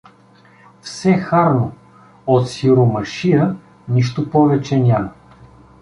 — Все харно — от сиромашия нищо повече няма.